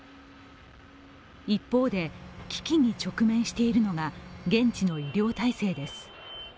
一方で危機に直面しているのが現地の医療体制です。